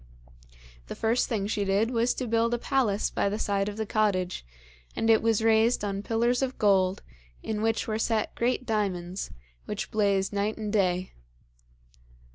The first thing she did was to build a palace by the side of the cottage, and it was raised on pillars of gold, in which were set great diamonds, which blazed night and day.